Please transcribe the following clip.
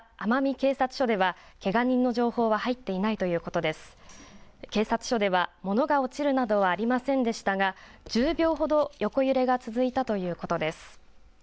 警察署では物が落ちるなどはありませんでしたが、１０秒ほど横揺れが続いたということです。